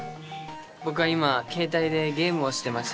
僕は今ケータイでゲームをしてました。